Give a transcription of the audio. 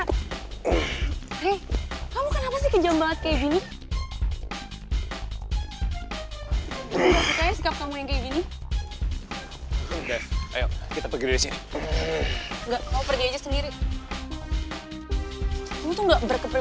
kamu kenapa sih kejam banget